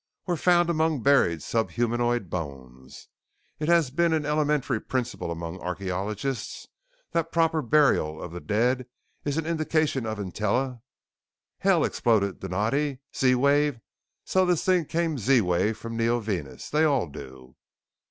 " were found among buried sub humanoid bones. It has been an elementary principle among archeologists that proper burial of the dead is an indication of intell "Hell!" exploded Donatti. "Z wave! So this thing came Z wave from Neovenus. They all do!"